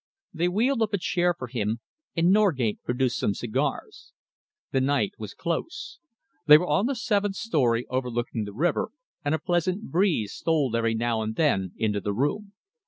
They wheeled up a chair for him, and Norgate produced some cigars. The night was close. They were on the seventh story, overlooking the river, and a pleasant breeze stole every now and then into the room.